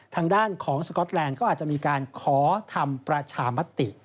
ทางด้านของสก๊อตแลนด์ก็อาจจะมีการขอทำประชามติ